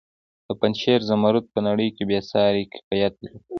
د پنجشیر زمرد په نړۍ کې بې ساري کیفیت لري.